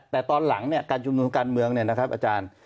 แต่ตอนหลังการชุมนุมการเมืองนะครับอาจารย์